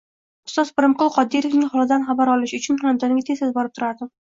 Ustoz Pirimqul Qodirovning holidan xabar olish uchun xonadoniga tez-tez borib turardim